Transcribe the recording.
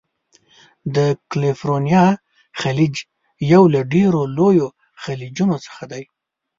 د کلفورنیا خلیج یو له ډیرو لویو خلیجونو څخه دی.